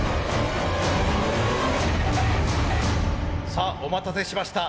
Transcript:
さあお待たせしました。